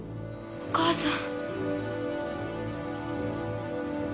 お母さん！